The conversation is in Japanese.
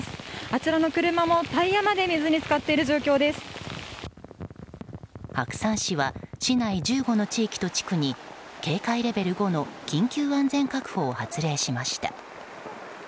あちらの車もタイヤまで白山市は市内１５の地域と地区に警戒レベル５の緊急安全確保を発令しました。